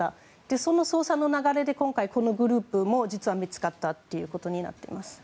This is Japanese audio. その捜査の流れで今回このグループも実は見つかったということになっています。